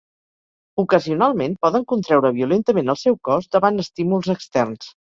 Ocasionalment, poden contreure violentament el seu cos davant estímuls externs.